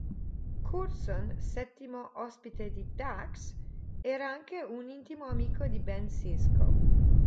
Curzon, settimo ospite di Dax, era anche un intimo amico di Ben Sisko.